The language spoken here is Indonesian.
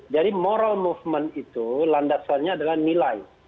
jadi moral movement itu landasannya adalah nilai